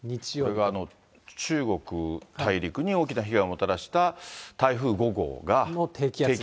これが中国大陸に大きな被害をもたらした台風５号が、低気圧。